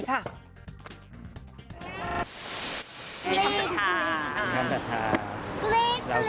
มีคำสัตว์ค้า